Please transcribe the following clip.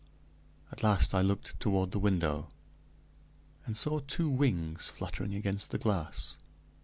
At last I looked toward the window, and saw two wings fluttering against the glass.